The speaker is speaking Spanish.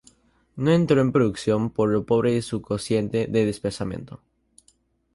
No entró en producción por lo pobre de su cociente de desplazamiento.